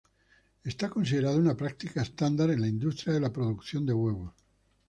Es considerado una práctica estándar en la industria de la producción de huevos.